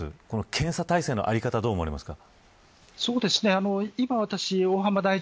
検査体制の在り方どう思われますか。